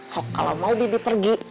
sok kalau mau bebi pergi